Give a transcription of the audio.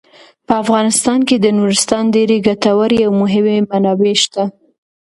په افغانستان کې د نورستان ډیرې ګټورې او مهمې منابع شته.